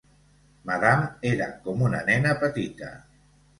Madame era com una nena petita.